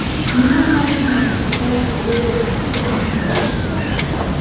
Не можу навіть думати про те, як я лишуся без нього.